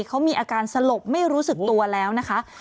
เขามีอาการสลบไม่รู้สึกตัวแล้วนะคะ